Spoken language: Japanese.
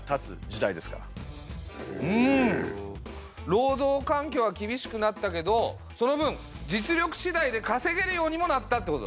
労働環境は厳しくなったけどその分実力しだいでかせげるようにもなったってことだ。